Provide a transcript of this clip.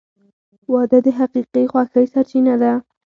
• واده د حقیقي خوښۍ سرچینه ده.